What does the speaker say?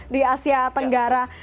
di asia tenggara